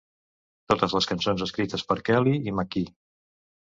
Totes les cançons escrites per Kelly i McKee.